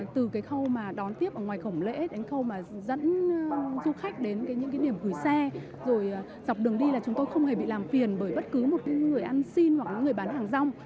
từ cái khâu mà đón tiếp ở ngoài khổng lễ đến khâu mà dẫn du khách đến những cái điểm gửi xe rồi dọc đường đi là chúng tôi không hề bị làm phiền bởi bất cứ một người ăn xin hoặc là người bán hàng rong